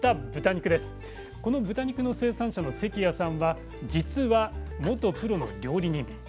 この豚肉の生産者の関谷さんは実は元プロの料理人。